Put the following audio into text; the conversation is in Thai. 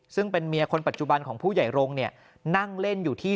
ซึ่งเป็นเมียคนปัจจุบันของผู้ใหญ่รงค์เนี่ยนั่งเล่นอยู่ที่